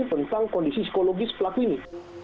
tentang kondisi psikologis pelaku ini